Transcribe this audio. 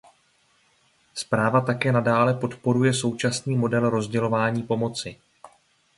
Zpráva také nadále podporuje současný model rozdělování pomoci.